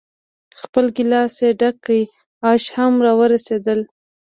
خپل ګیلاس یې ډک کړ، آش هم را ورسېدل.